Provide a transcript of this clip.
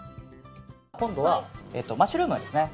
今度はマッシュルームですね。